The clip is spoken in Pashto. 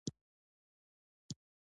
هَی؛ څه نا اخیستي تصویرونه یې لا پاتې دي